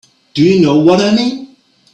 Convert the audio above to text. Do you know what I mean?